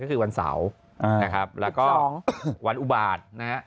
ก็คือวันเสาร์แล้วก็วันอุบาต